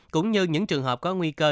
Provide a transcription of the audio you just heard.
cũng như những trường hợp có nguy cơ